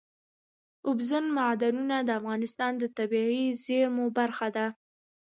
اوبزین معدنونه د افغانستان د طبیعي زیرمو برخه ده.